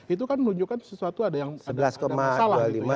itu kan menunjukkan sesuatu ada yang salah